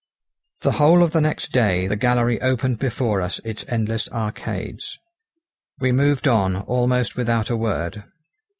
The whole of the next day the gallery opened before us its endless arcades. We moved on almost without a word.